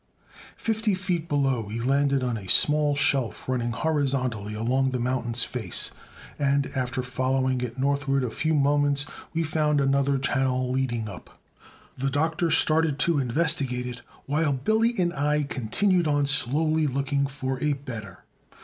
Fifty feet below we landed on a small shelf running horizontally along the mountain's face, and, after following it northward a few moments, we found another channel leading up. The Doctor started to investigate it, while Billy and I continued on slowly looking for a better.